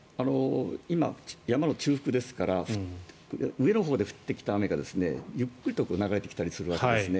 今、山の中腹ですから上のほうで降ってきた雨がゆっくりと流れてきたりするわけですね。